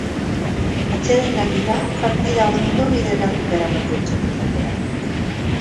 Atsedenaldira partida ondo bideratuta eraman du etxeko taldeak.